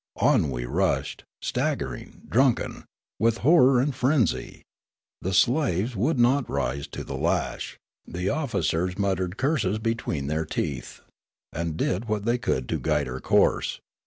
On we rushed, staggering, drunken, with horror and frenzy. The slaves would not rise to the lash ; the officers mut tered curses between their teeth, and did what they could to guide her course.